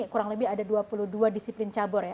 kurang lebih ada dua puluh dua disiplin cabur ya